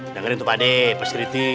dengerin tuh pakde positi